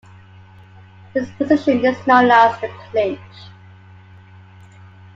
This position is known as "the Clinch".